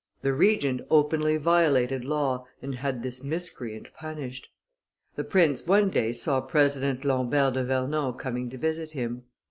The Regent openly violated law, and had this miscreant punished. The prince one day saw President Lambert de Vernon coming to visit him.